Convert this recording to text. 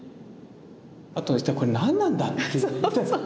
あとこれ何なんだっていうね。